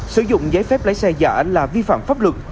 sử dụng giấy phép lái xe giả là vi phạm pháp luật